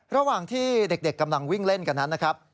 ระหว่างที่เด็กกำลังวิ่งเล่นกันนั้นนะครับ